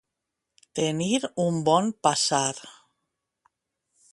Tenir un bon passar.